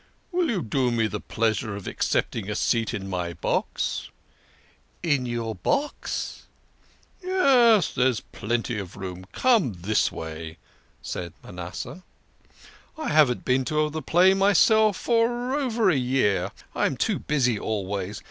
Will you do me the pleasure of accept ing a seat in my box?" "In your box?" "' DAT MUST BE A FINE PIECE.' " "Yes, there is plenty of room. Come this way," said Ma nasseh. " I haven't been to the play myself for over a year. I am too busy always.